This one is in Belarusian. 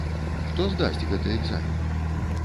Хто здасць гэты экзамен?